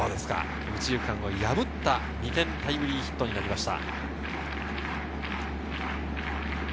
右中間を破った２点タイムリーヒットになりました。